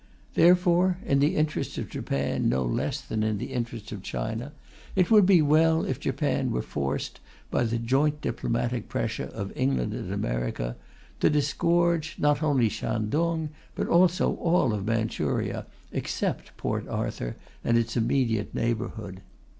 Therefore, in the interests of Japan no less than in the interests of China, it would be well if Japan were forced, by the joint diplomatic pressure of England and America, to disgorge, not only Shantung, but also all of Manchuria except Port Arthur and its immediate neighbourhood.